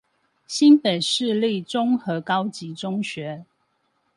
新北市立中和高級中學